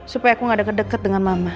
supaya aku gak deket deket dengan mama